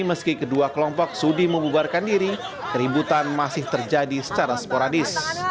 meski kedua kelompok sudi membubarkan diri keributan masih terjadi secara sporadis